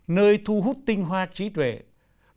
nơi thu hút tinh hoa trí tuệ đoàn kết tập hợp nhân tài của đất nước